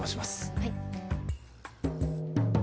はい。